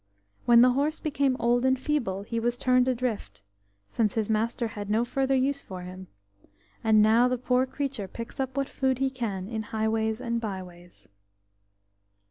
When the horse became old and feeble, he was turned adrift, since his master had no further use for him; and now the poor creature picks up what food he can in highways and byways."